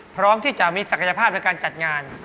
พร้อมที่จะมีศักยภาพในการจัดงาน